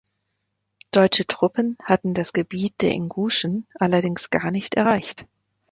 Deutsche Truppen hatten das Gebiet der Inguschen allerdings gar nicht erreicht.